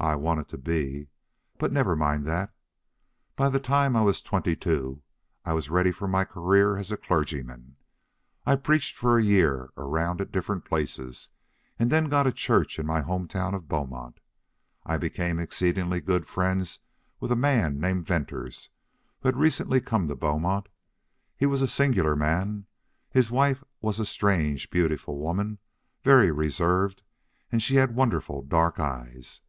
I wanted to be But never mind that.... By the time I was twenty two I was ready for my career as a clergyman. I preached for a year around at different places and then got a church in my home town of Beaumont. I became exceedingly good friends with a man named Venters, who had recently come to Beaumont. He was a singular man. His wife was a strange, beautiful woman, very reserved, and she had wonderful dark eyes.